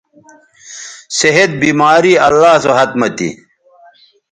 صحت، بیماری اللہ سو ھت مہ تھی